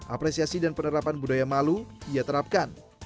apresiasi dan penerapan budaya malu ia terapkan